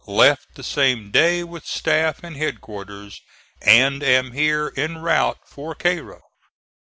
Left the same day with staff and headquarters and am here en route for Cairo."